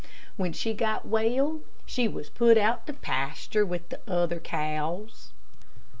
When she got well, she was put out to pasture with the other cows.